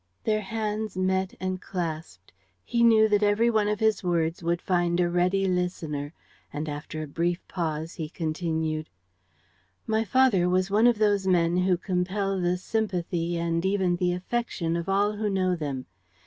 Their hands met and clasped. He knew that every one of his words would find a ready listener; and, after a brief pause, he continued: "My father was one of those men who compel the sympathy and even the affection of all who know them.